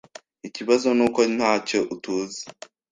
Ikibazo nuko ntacyo tuzi.